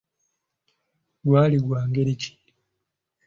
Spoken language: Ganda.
Gwali gwa ngeri ki?